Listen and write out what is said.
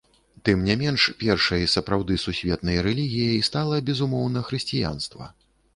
Тым не менш, першай сапраўды сусветнай рэлігіяй стала, безумоўна, хрысціянства.